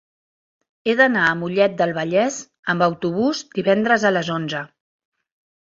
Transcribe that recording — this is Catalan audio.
He d'anar a Mollet del Vallès amb autobús divendres a les onze.